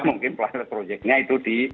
mungkin project nya itu di